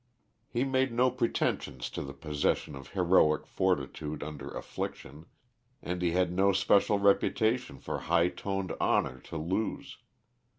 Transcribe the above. He made no pretensions to the possession of heroic fortitude under affliction, and he had no special reputation for high toned honor to lose.